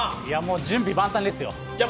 準備万端ですよ。